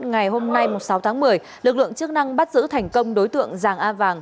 ngày hôm nay sáu tháng một mươi lực lượng chức năng bắt giữ thành công đối tượng giàng a vàng